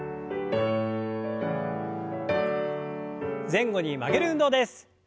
前後に曲げる運動です。